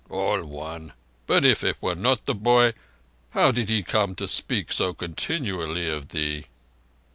"All one—but if it were not the boy how did he come to speak so continually of thee?"